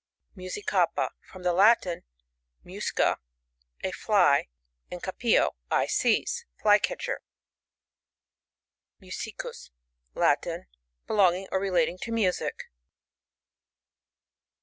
MuscicAPA.— From the Latin, musca^ a fly,andca/>»o,I seize. Fly catcher. Musicus. — Latin. Belonging or re lating to music.